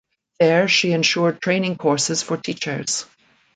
There she ensured training courses for teachers.